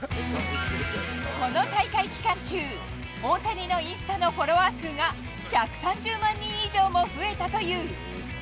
この大会期間中、大谷のインスタのフォロワー数が１３０万人以上も増えたという。